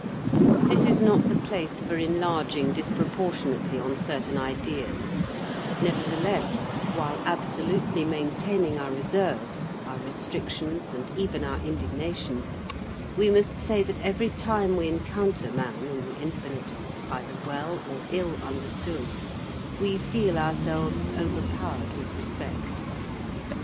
This is not the place for enlarging disproportionately on certain ideas; nevertheless, while absolutely maintaining our reserves, our restrictions, and even our indignations, we must say that every time we encounter man in the Infinite, either well or ill understood, we feel ourselves overpowered with respect.